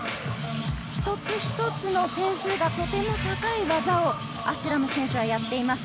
一つ一つの点数がとても高い技をアシュラム選手はやっています。